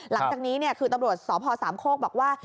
หลังจากนี้คือตำรวจสพสามโคกบอกว่า